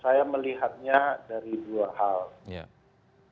saya melihatnya dari dua hal